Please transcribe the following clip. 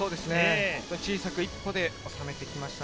小さく一歩でおさめてきました。